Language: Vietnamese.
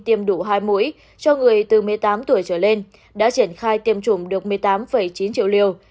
tiêm đủ hai mũi cho người từ một mươi tám tuổi trở lên đã triển khai tiêm chủng được một mươi tám chín triệu liều